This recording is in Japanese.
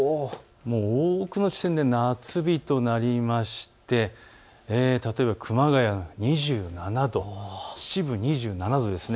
多くの地点で夏日となりまして熊谷２７度、秩父２７度です。